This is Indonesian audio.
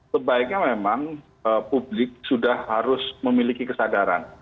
sebaiknya memang publik sudah harus memiliki kesadaran